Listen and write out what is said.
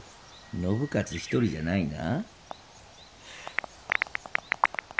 信雄一人じゃないな。